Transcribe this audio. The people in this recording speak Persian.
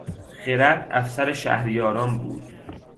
خرد افسر شهریاران بود.